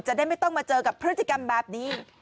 จะได้ไม่ต้องมาเจอกับพฤติกรรมแบบนี้